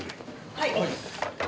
はい。